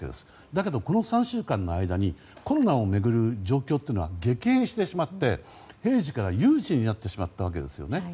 だけど、この３週間の間にコロナを巡る状況は激変してしまって平時から有事になってしまったわけですね。